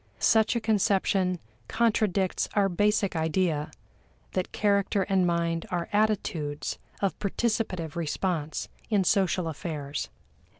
Such a conception contradicts our basic idea that character and mind are attitudes of participative response in social affairs.